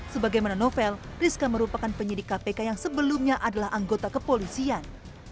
sebagaimana novel rizka merupakan penyidik kpk yang sebelumnya adalah anggota kepolisian